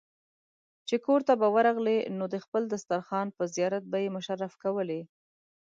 چې کورته به ورغلې نو د خپل دسترخوان په زيارت به يې مشرف کولې.